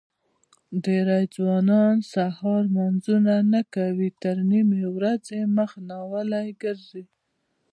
دېری ځوانان سهار لمنځونه نه کوي تر نیمې ورځې مخ ناولي ګرځي.